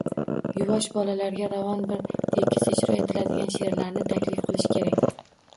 Yuvosh bolalarga ravon, bir tekis ijro etiladigan sheʼrlarni taklif qilish kerak